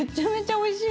おいしい！